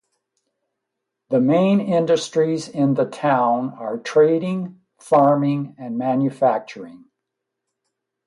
The main industries in the town are trading, farming and manufacturing.